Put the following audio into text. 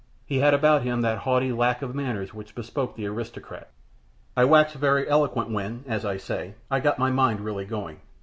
He had about him that haughty lack of manners which bespoke the aristocrat. I waxed very eloquent when, as I say, I got my mind really going.